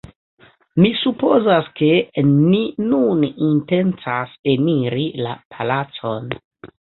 Mi supozas, ke ni nun intencas eniri la palacon